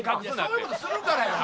そういう事するからやろ。